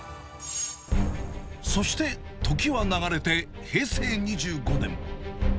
そして時は流れて平成２５年。